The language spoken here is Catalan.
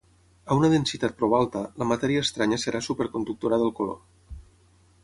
A una densitat prou alta, la matèria estranya serà superconductora del color.